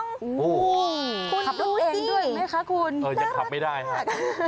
คุณดูเองด้วยไหมคะคุณน่ารักมาก